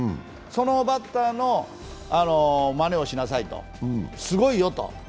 そのバッターのまねをしなさいとすごいよと。